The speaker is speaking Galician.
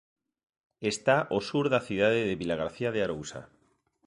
Está ao sur da cidade de Vilagarcía de Arousa.